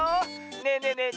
ねえねえねえ